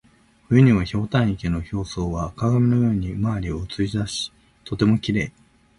冬には、ひょうたん池の表層は鏡のように周りを写し出しとてもきれい。